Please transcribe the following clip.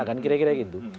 kan kira kira gitu